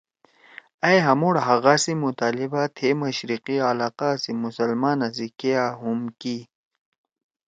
اَئں ہامُوڑ حقا سی مطالبہ تھیئے مشرقی علاقا سی مسلمانا سی کیا ہُم کی